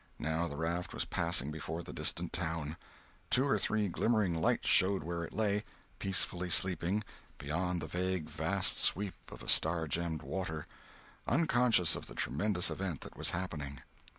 Now the raft was passing before the distant town. Two or three glimmering lights showed where it lay, peacefully sleeping, beyond the vague vast sweep of star gemmed water, unconscious of the tremendous event that was happening.